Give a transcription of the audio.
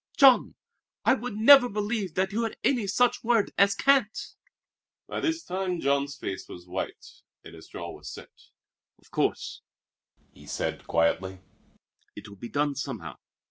Jean, I would never believe that you had any such word as 'can't.'" By this time Jean's face was white and his jaw was set. "Of course," he said quietly, "it will be done somehow.